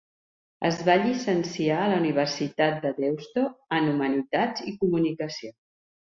Es va llicenciar a la Universitat de Deusto en Humanitats i Comunicació.